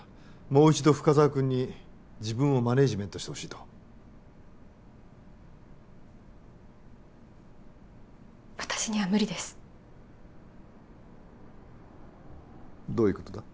もう一度深沢君に自分をマネージメントしてほしいと私には無理ですどういうことだ？